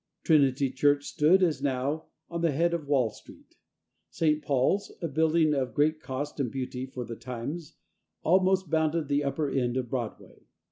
Trinity Church stood, as now, at the head of Wall Street. St. Paul's a building of great cost and beauty for the times almost bounded the upper end of Broadway.